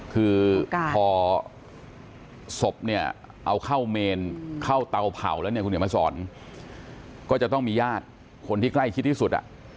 คือพอศพเนี่ยเอาเข้าเมนเข้าเตาเผาแล้วเนี่ยคุณเดี๋ยวมาสอนก็จะต้องมีญาติคนที่ใกล้ชิดที่สุด